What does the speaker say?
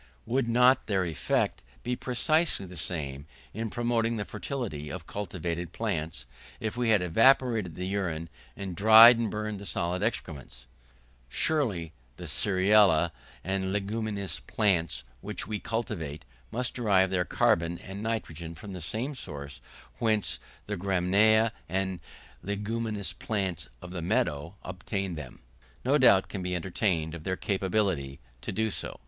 Would not their effect be precisely the same in promoting the fertility of cultivated plants, if we had evaporated the urine, and dried and burned the solid excrements? Surely the cerealia and leguminous plants which we cultivate must derive their carbon and nitrogen from the same source whence the graminea and leguminous plants of the meadows obtain them! No doubt can be entertained of their capability to do so.